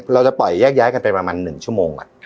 เราจะปล่อยแยกย้ายกันไปประมาณ๑ชั่วโมง